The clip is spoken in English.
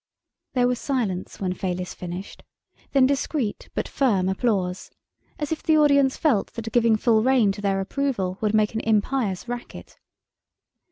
There was silence when Fayliss finished, then discreet but firm applause, as if the audience felt that giving full reign to their approval would make an impious racket.